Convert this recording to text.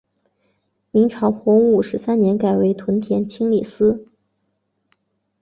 明朝洪武十三年改为屯田清吏司。